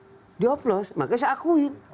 data itu memang dioplos makanya saya akuin